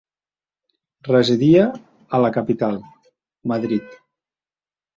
Residia a la capital, Madrid.